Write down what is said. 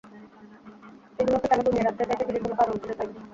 এগুলোকে কেন দমিয়ে রাখতে চায়, সেটিরই কোনো কারণ খুঁজে পাই না।